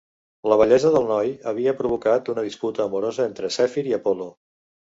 La bellesa del noi havia provocat una disputa amorosa entre Zèfir i Apol·lo.